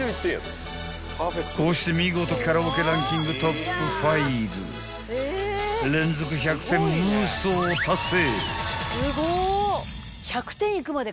［こうして見事カラオケランキングトップ５連続１００点無双達成］